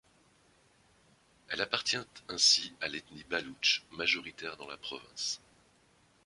Elle appartient ainsi à l'ethnie baloutche, majoritaire dans la province.